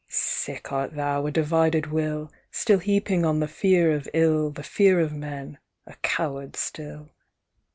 "Sick art thou—a divided will Still heaping on the fear of ill The fear of men, a coward still.